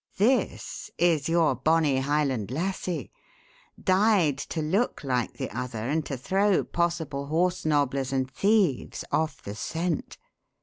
This is your bonny Highland Lassie dyed to look like the other and to throw possible horse nobblers and thieves off the scent.